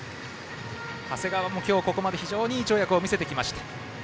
長谷川も今日ここまで非常にいい跳躍を見せてきました。